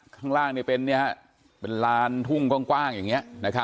ข้างล่างเป็นลานทุ่งกว้างอย่างนี้